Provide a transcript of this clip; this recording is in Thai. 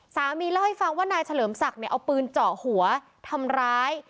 สามีเล่าให้ฟังว่านายเฉลิมศักดิ์เนี่ยเอาปืนเจาะหัวทำร้าย